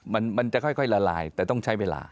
มันจะค่อยละลายแต่ต้องใช้เวลา